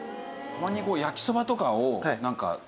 たまに焼きそばとかをなんか